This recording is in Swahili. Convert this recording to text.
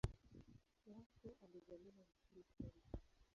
Wako alizaliwa nchini Kenya.